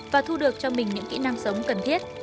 và thu được cho mình những kỹ năng sống cần thiết